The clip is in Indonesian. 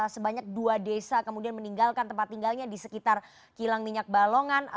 sebanyak dua desa kemudian meninggalkan tempat tinggalnya di sekitar kilang minyak balongan